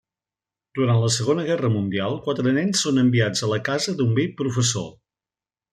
Durant la segona guerra mundial, quatre nens són enviats a la casa d'un vell professor.